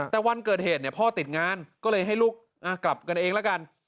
แต่วันเกิดเหตุพ่อติดงานก็เลยให้ลูกกลับกันเองละกัน